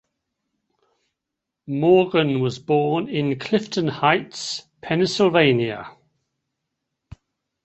Morgan was born in Clifton Heights, Pennsylvania.